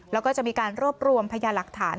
แล้วก็จะมีการรวบรวมพยาหลักฐาน